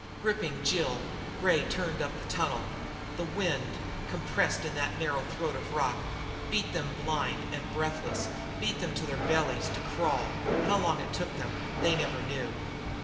Gripping Jill, Gray turned up the tunnel. The wind, compressed in that narrow throat of rock, beat them blind and breathless, beat them to their bellies, to crawl. How long it took them, they never knew.